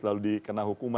lalu dikenal hukuman